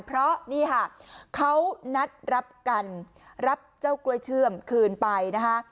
เพราะเขานัดรับกันรับเจ้ากล้วยเชื่องคืนไป